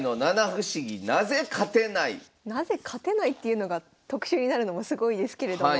「なぜ勝てない？」っていうのが特集になるのもすごいですけれども。